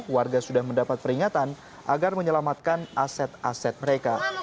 warga sudah mendapat peringatan agar menyelamatkan aset aset mereka